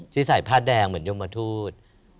ที่ใส่ผ้าแดงเหมือนยมทูต